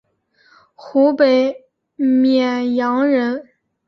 湖北沔阳人。